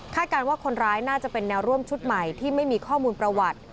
การว่าคนร้ายน่าจะเป็นแนวร่วมชุดใหม่ที่ไม่มีข้อมูลประวัติ